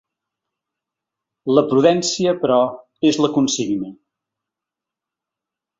La prudència, però, és la consigna.